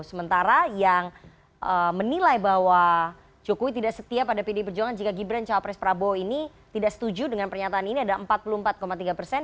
sementara yang menilai bahwa jokowi tidak setia pada pdi perjuangan jika gibran cawa pres prabowo ini tidak setuju dengan pernyataan ini ada empat puluh empat tiga persen